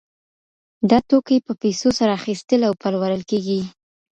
دا توکي په پیسو سره اخیستل او پلورل کیږي.